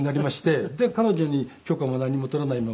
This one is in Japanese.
で彼女に許可も何も取らないまま。